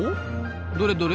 どれどれ？